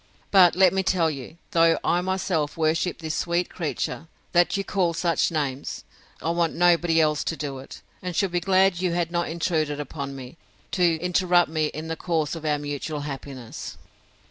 But let me tell you, though I myself worship this sweet creature, that you call such names, I want nobody else to do it; and should be glad you had not intruded upon me, to interrupt me in the course of our mutual happiness.